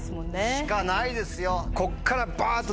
しかないですよ。